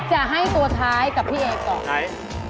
แพงกว่าบาทที่พี่เอ๋ยงดี